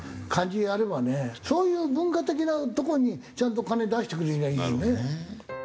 そういう文化的なとこにちゃんと金出してくれりゃいいのにね。